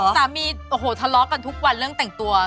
สามีโอ้โหทะเลาะกันทุกวันเรื่องแต่งตัว